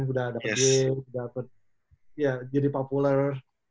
sudah dapat game udah dapat ya jadi populer